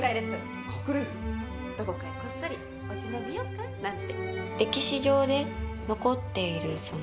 どこかへこっそり落ち延びようかなんて。